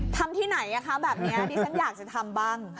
ทำที่ไหนคะแบบนี้ดิฉันอยากจะทำบ้าง